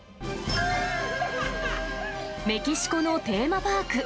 メキシコのテーマパーク。